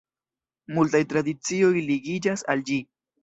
Multaj tradicioj ligiĝas al ĝi.